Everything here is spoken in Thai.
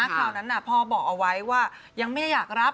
คราวนั้นพ่อบอกเอาไว้ว่ายังไม่ได้อยากรับ